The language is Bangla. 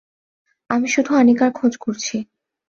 আমি শুধু আনিকার খোঁজ করছি।